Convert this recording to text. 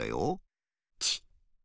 チッ！